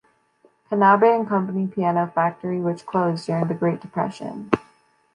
Knabe and Company piano factory, which closed during The Great Depression.